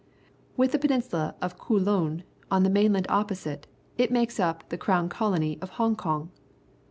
With the peninsula of Kouioon, on the mainland opposite, it makes up the crown colony of Hong Kong.